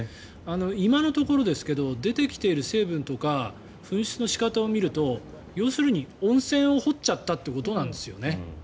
今のところですけど出てきている成分とか噴出の仕方を見ると要するに温泉を掘っちゃったということなんですよね。